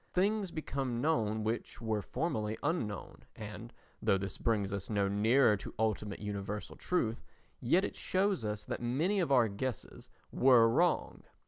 Things become known which were formerly unknown and, though this brings us no nearer to ultimate universal truth, yet it shows us that many of our guesses were wrong.